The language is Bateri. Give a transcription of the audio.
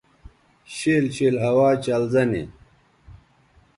شِیل شِیل ہوا چلزہ نی